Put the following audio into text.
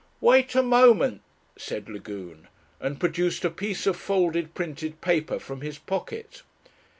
"Wait a moment," said Lagune, and produced a piece of folded printed paper from his pocket.